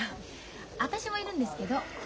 私もいるんですけど。